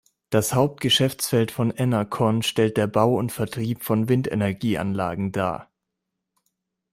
Das Hauptgeschäftsfeld von Enercon stellt der Bau und Vertrieb von Windenergieanlagen dar.